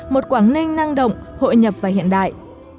một quảng ninh năng động hội nhập và hiện đại